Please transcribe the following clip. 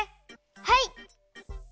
はい！